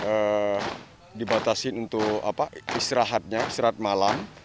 kemudian mereka juga dibatasi untuk istirahatnya istirahat malam